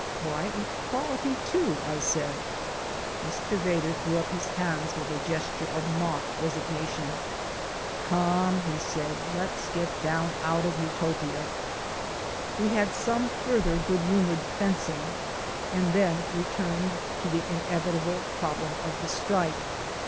"Why, equality, too!" I said. Mr. Vedder threw up his hands up with a gesture of mock resignation. "Come," said he, "let's get down out of Utopia!" We had some further good humoured fencing and then returned to the inevitable problem of the strike.